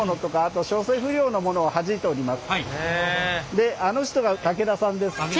であの人が竹田さんです。